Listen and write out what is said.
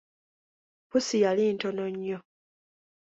Pussi yali ntono nnyo.